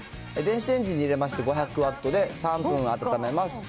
電子レンジに入れまして、５００ワットで３分温めます。